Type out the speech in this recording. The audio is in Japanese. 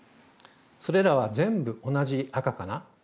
それらは全部同じ赤かな？